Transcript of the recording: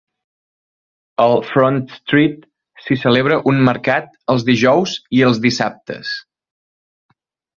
Al Front Street s'hi celebra un mercat els dijous i els dissabtes.